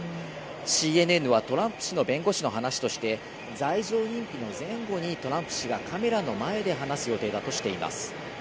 ＣＮＮは、トランプ氏の弁護士の話として罪状認否の前後にトランプ氏がカメラの前で話す予定だとしています。